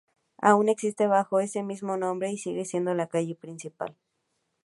Aún existe bajo ese mismo nombre y sigue siendo la calle principal.